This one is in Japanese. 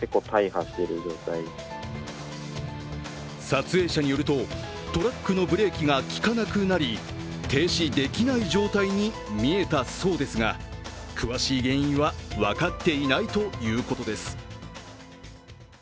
撮影者によると、トラックのブレーキが効かなくなり停止できない状態に見えたそうですが、詳しい原因は分かっていないということです。